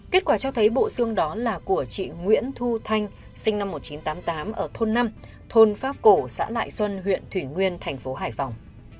kết quả cho thấy bộ xương đó là của chị nguyễn thu thanh sinh năm một nghìn chín trăm tám mươi tám ở thôn năm thôn pháp cổ xã lại xuân huyện thủy nguyên thành phố hải phòng